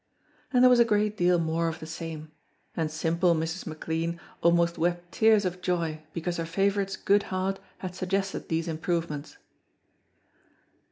And there was a great deal more of the same, and simple Mrs. McLean almost wept tears of joy because her favorite's good heart had suggested these improvements.